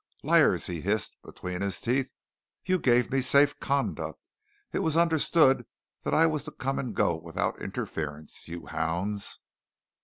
"Liars!" he hissed between his teeth. "You gave me safe conduct! It was understood that I was to come and go without interference, you hounds!"